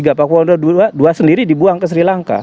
hamengkubwono ii sendiri dibuang ke sri lanka